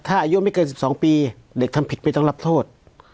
ถ้าอายุไม่เกิน๑๒ปีเด็กทำผิดไม่ต้องรับโทษ